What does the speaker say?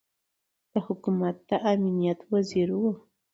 د حکومت د امنیت وزیر ؤ